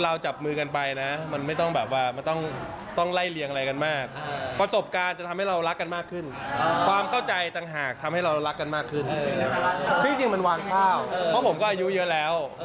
อ่าเดี๋ยวลองไปฟังเสียงหนุ่มปั้นจันนะคะ